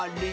あれ？